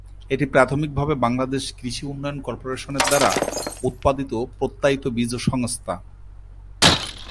এটি প্রাথমিকভাবে বাংলাদেশ কৃষি উন্নয়ন কর্পোরেশন দ্বারা উৎপাদিত প্রত্যয়িত বীজ সংস্থা।